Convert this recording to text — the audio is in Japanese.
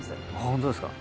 本当ですか。